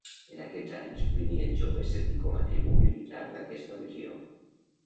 En aquests anys Plini el Jove serví com a tribú militar d'aquesta legió.